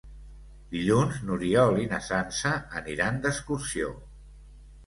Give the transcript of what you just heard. Dilluns n'Oriol i na Sança aniran d'excursió.